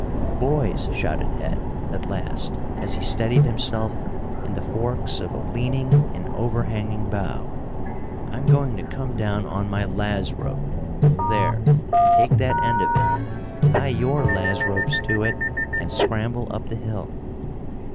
"Boys," shouted Ed, at last, as he steadied himself in the forks of a leaning and overhanging bough, "I'm going to come down on my laz rope. There, take that end of it, tie your laz ropes to it and scramble up the hill."